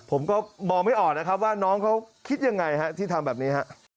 ผมก็มองไม่ออกนะครับว่าน้องเขาคิดยังไงฮะที่ทำแบบนี้ฮะ